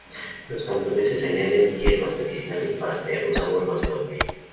Los cantoneses añaden hierbas medicinales para crear un sabor más fuerte.